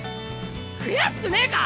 悔しくねぇか？